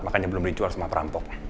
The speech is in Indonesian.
makanya belum dijual sama perampok